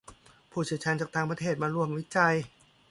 ผู้เชี่ยวชาญจากต่างประเทศมาร่วมวิจัย